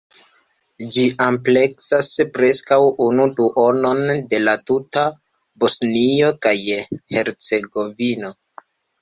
Ĝi ampleksas preskaŭ unu duonon de la tuta Bosnio kaj Hercegovino.